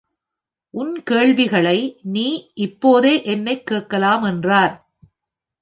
உன் கேள்விகளை நீ இப்போதே என்னைக் கேட்கலாம் என்றார்.